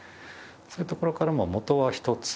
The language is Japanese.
そういうところからも元は一つ。